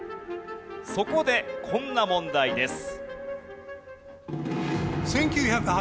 そこでこんな問題です。